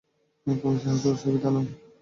কোন সাহসে ওর সুবিধা নাও!